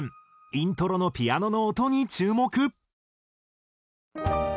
イントロのピアノの音に注目。